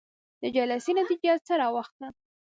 د جلسې نتيجه څه راوخته؟